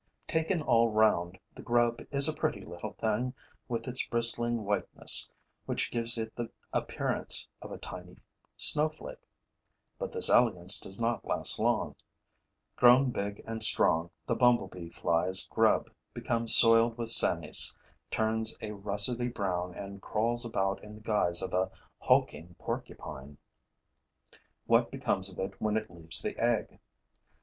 Taken all round, the grub is a pretty little thing, with its bristling whiteness, which gives it the appearance of a tiny snowflake. But this elegance does not last long: grown big and strong, the bumblebee fly's grub becomes soiled with sanies, turns a russety brown and crawls about in the guise of a hulking porcupine. What becomes of it when it leaves the egg?